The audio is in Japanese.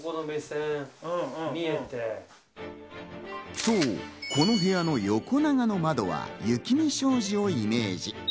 そう、この部屋の横長の窓は、雪見障子をイメージ。